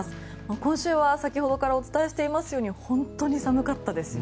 今週は先ほどからお伝えしていますように本当に寒かったですよね。